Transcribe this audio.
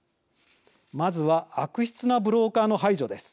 まずは、悪質なブローカーの排除です。